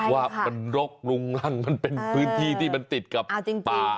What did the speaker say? ว่ามันรกรุงลั่นมันเป็นพื้นที่ที่มันติดกับป่า